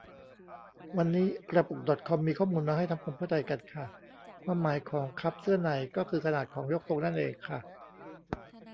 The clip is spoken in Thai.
วันนี้กระปุกดอทคอมมีข้อมูลมาให้ทำความเข้าใจกันค่ะ ความหมายของ คัพเสื้อใน ก็คือขนาดของยกทรงนั่นเองค่ะ